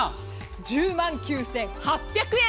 １０万９８００円。